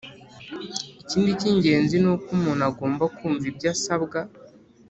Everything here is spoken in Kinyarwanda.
Ikindi cy ingenzi ni uko umuntu agomba kumva ibyo asabwa